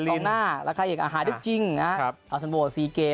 ตรงหน้าแล้วใครอีกอาหารจริงนะครับเราส่งโว้น๔เกม